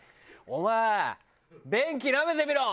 「お前便器なめてみろ！」